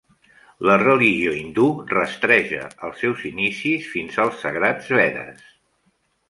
La religió hindú rastreja els seus inicis fins als sagrats Vedes.